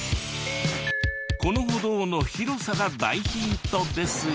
この歩道の広さが大ヒントですよ。